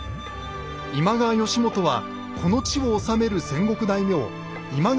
今川義元はこの地を治める戦国大名今川